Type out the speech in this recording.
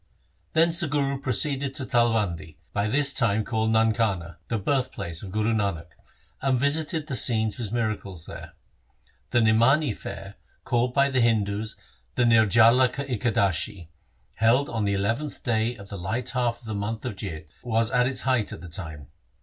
Thence the Guru proceeded to Talwandi, by this time called Nankana, the birthplace of Guru Nanak, and visited the scenes of his miracles there. The Nimani fair, called by the Hindus the Nirjala Ikadashi, heM on the nth day of the light half of the month of Jeth, was at its height at the time.